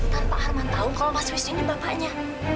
tanpa arman tahu kalau mas wisnu ini bapaknya